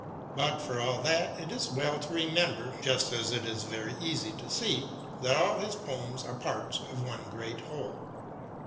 But for all that, it is well to remember, just as it is very easy to see, that all his poems are parts of one great whole.